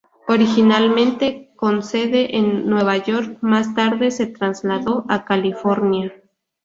Originalmente, con sede en Nueva York, más tarde se trasladó a California.